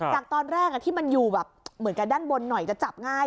จากตอนแรกที่มันอยู่แบบเหมือนกับด้านบนหน่อยจะจับง่าย